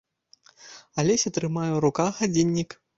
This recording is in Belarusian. Алеся трымае ў руках гадзіннік.